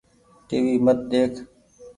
ٽي وي مت ۮيک ۔